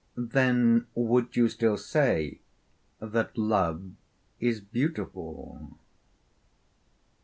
Then would you still say that love is beautiful?